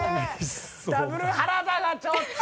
ダブル原田がちょっと。